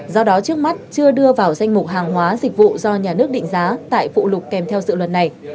do đó trước mắt chưa đưa vào danh mục hàng hóa dịch vụ do nhà nước định giá tại phụ lục kèm theo dự luật này